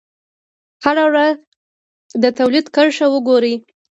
هره ورځ د تولید کرښه وګورئ.